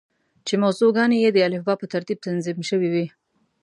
چې موضوع ګانې یې د الفبا په ترتیب تنظیم شوې وې.